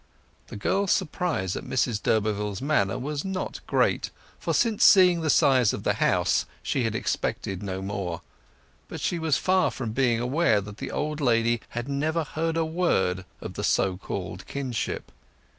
The girl's surprise at Mrs d'Urberville's manner was not great; for since seeing the size of the house she had expected no more. But she was far from being aware that the old lady had never heard a word of the so called kinship.